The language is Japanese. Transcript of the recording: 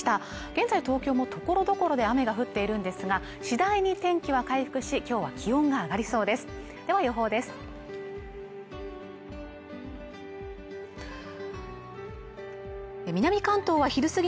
現在東京もところどころで雨が降っているんですが次第に天気は回復しきょうは気温が上がりそうですでは予報です